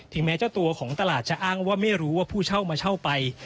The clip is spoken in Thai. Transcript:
แม้เจ้าตัวของตลาดจะอ้างว่าไม่รู้ว่าผู้เช่ามาเช่าไป